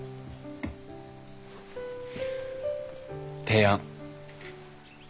提案。